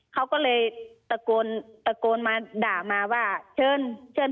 เขาก็เลยตะโกนตะโกนมาด่ามาว่าเชิญเชิญ